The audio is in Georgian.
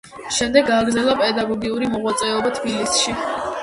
შემდეგ გააგრძელა პედაგოგიური მოღვაწეობა თბილისში.